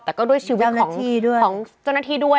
แต่ก็ด้วยชีวิตของเจ้าหน้าที่ด้วย